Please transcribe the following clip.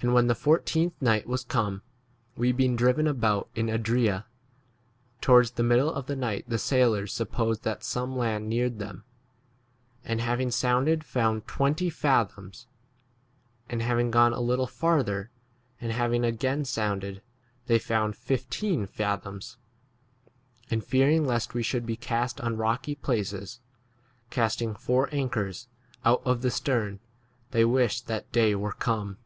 27 And when the fourteenth night was come, we being driven about in Adria, towards the middle of the night the sailors supposed 28 that some land neared them, and having sounded found twenty fathoms, and having gone a little farther and having again sounded 29 they found fifteen fathoms ; and fearing lest we w should be cast on rocky places, casting four anchors out of the stern they wished that day were come.